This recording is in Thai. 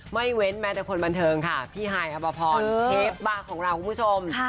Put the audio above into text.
เว้นแม้แต่คนบันเทิงค่ะพี่ฮายอัปพรเชฟบ้าของเราคุณผู้ชม